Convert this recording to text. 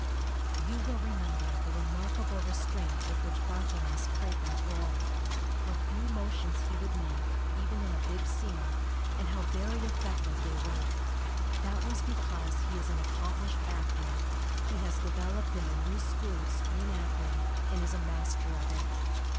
You will remember the remarkable restraint with which Barthelmess played that role how few motions he would make, even in a big scene, and how very effec tive they were. That was because he is an accomplished actor he has developed in the new school of screen acting, and is a master of it.